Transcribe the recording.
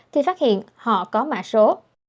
thì phát hiện họ có mạ số